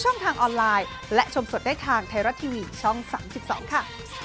ใช่ค่ะคุณผู้ชมค่ะ